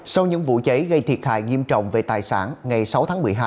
sau những vụ cháy gây thiệt hại nghiêm trọng về tài sản ngày sáu tháng một mươi hai